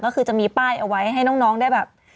ก็คือจะมีป้ายเอาไว้ให้น้องได้แบบ